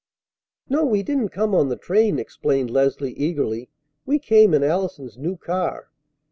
"No, we didn't come on the train," explained Leslie eagerly. "We came in Allison's new car.